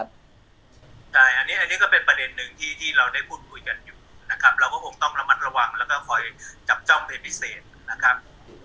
อันนี้ก็เป็นประเด็นหนึ่งที่เราได้พูดคุยกันอยู่นะครับเราก็คงต้องระมัดระวังแล้วก็คอยจับจ้องเป็นพิเศษนะครับ